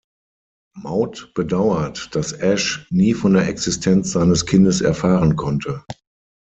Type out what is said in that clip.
Maud bedauert, dass Ash nie von der Existenz seines Kindes erfahren konnte.